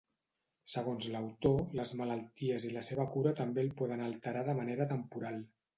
Segons l’autor, les malalties i la seva cura també el poden alterar de manera temporal.